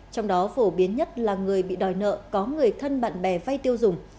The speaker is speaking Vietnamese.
trong đó phổ biến nhất là người bị đòi nợ có người thân bạn bè vay tiêu dùng